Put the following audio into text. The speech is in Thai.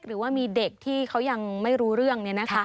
หรือว่ามีเด็กที่เขายังไม่รู้เรื่อง